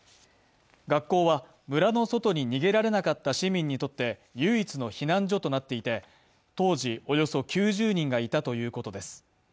学校は村の外に逃げられなかった市民にとって唯一の避難所となって、当時およそ９０人がいたということです。